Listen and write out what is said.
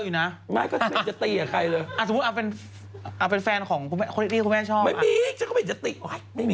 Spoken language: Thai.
คุณแม่ถามถ้าเป็นคุณแม่เนี่ยคุณแม่โอเคไหม